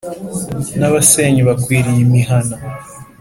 n’abasenyi bakwiriye imihana ,